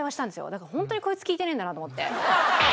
だからホントにこいつ聞いてねえんだなと思って。